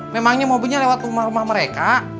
memangnya mobilnya lewat rumah rumah mereka